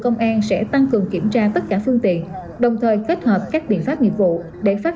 công an sẽ tăng cường kiểm tra tất cả phương tiện đồng thời kết hợp các biện pháp nghiệp vụ để phát